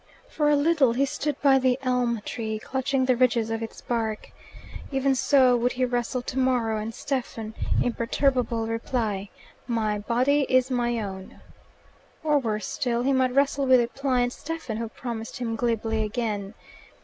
For a little he stood by the elm tree, clutching the ridges of its bark. Even so would he wrestle tomorrow, and Stephen, imperturbable, reply, "My body is my own." Or worse still, he might wrestle with a pliant Stephen who promised him glibly again.